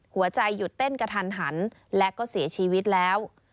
หัวใจหยุดเต้นกระทันหันและก็เสียชีวิตแล้ว